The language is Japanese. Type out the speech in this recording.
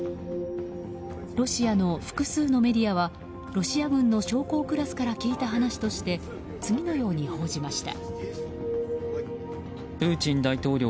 ロシアの複数のメディアはロシア軍の将校クラスから聞いた話として次のように報じました。